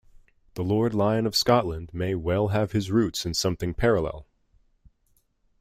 The Lord Lyon of Scotland may well have his roots in something parallel.